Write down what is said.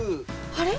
あれ？